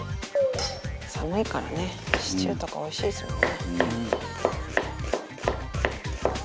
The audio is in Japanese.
寒いからねシチューとかおいしいですもんね。